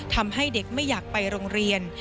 ทำให้เด็กไม่อยากไปโรงเรียน